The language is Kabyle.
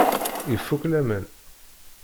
Ifukk laman!